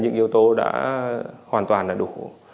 những yếu tố đã hoàn toàn đủ